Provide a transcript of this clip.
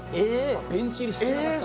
ベンチ入りしてなかった。